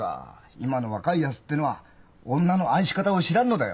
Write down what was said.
今の若いやつってのは女の愛し方を知らんのだよ。